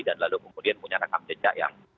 dan lalu kemudian punya rekam jejak yang